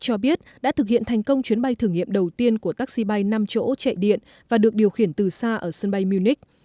cho biết đã thực hiện thành công chuyến bay thử nghiệm đầu tiên của taxi bay năm chỗ chạy điện và được điều khiển từ xa ở sân bay munich